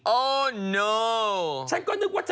โอ้โน่